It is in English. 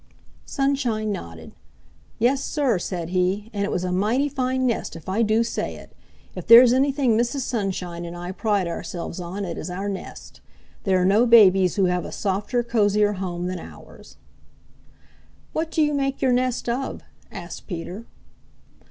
Sunshine nodded. "Yes, sir," said he, "and it was a mighty fine nest, if I do say it. If there's anything Mrs. Sunshine and I pride ourselves on it is our nest. There are no babies who have a softer, cozier home than ours." "What do you make your nest of?" asked Peter.